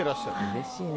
うれしいね。